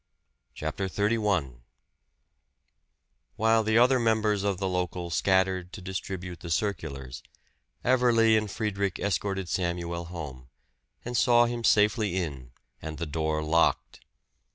CHAPTER XXXI While the other members of the local scattered to distribute the circulars, Everley and Friedrich escorted Samuel home, and saw him safely in, and the door locked.